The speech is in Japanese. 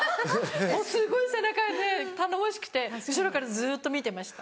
すごい背中で頼もしくて後ろからずっと見てました。